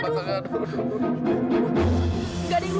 gak ada yang lukakan